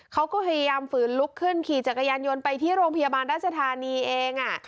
เขาก็พยายามฝืนลุกขึ้นขี่จักรยานยนต์ไปที่โรงพยาบาลราชธานีเอง